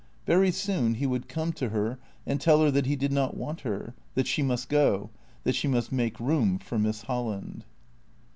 Very soon he would come to her and tell her that he did not want her ; that she must go ; that she must make room for Miss Holland.